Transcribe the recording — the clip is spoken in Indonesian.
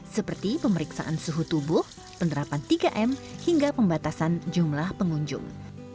seperti pemeriksaan suhu tubuh penerapan tiga m hingga pembatasan jumlah pengunjung